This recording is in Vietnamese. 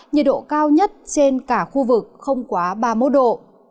nhiệt độ cao nhất trên cả khu vực không quá ba mươi một độ